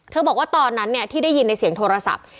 บอกว่าตอนนั้นที่ได้ยินในเสียงโทรศัพท์